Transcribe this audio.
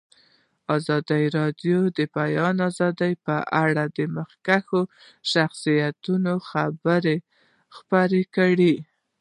ازادي راډیو د د بیان آزادي په اړه د مخکښو شخصیتونو خبرې خپرې کړي.